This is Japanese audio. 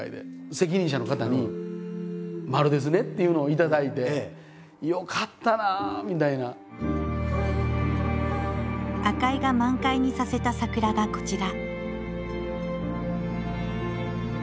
責任者の方に「丸ですね」っていうのを頂いて「よかったなあ」みたいな。赤井が満開にさせた桜がこちら。